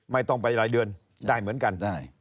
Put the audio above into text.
ไม่ต้องไปรายเดือนได้เหมือนกันได้